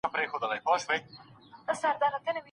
ویره مو په هوډ بدله کړئ.